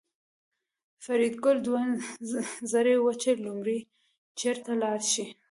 فریدګل دوه زړی و چې لومړی چېرته لاړ شي